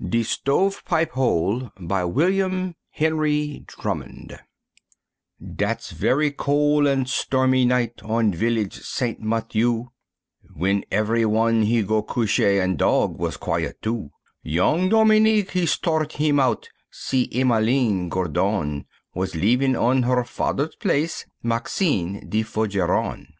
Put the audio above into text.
DE STOVE PIPE HOLE BY WILLIAM HENRY DRUMMOND Dat's very cole an' stormy night on Village St. Mathieu, W'en ev'ry wan he's go couché, an' dog was quiet, too Young Dominique is start heem out see Emmeline Gourdon, Was leevin' on her fader's place, Maxime de Forgeron.